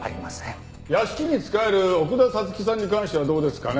屋敷に仕える奥田彩月さんに関してはどうですかね？